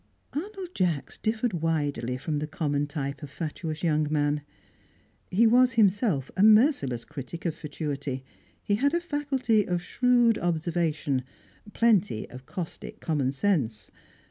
Arnold Jacks differed widely from the common type of fatuous young man. He was himself a merciless critic of fatuity; he had a faculty of shrewd observation, plenty of caustic common sense.